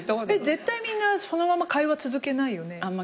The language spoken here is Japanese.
絶対みんなそのまま会話続けないよね。